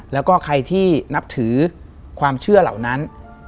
แล้วก็ใครที่นับถือความเชื่อเหล่านั้น